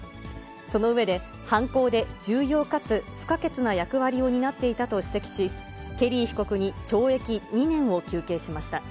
その上で、犯行で重要かつ不可欠な役割を担っていたと指摘し、ケリー被告に懲役２年を求刑しました。